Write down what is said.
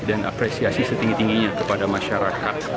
dan apresiasi setinggi tingginya kepada masyarakat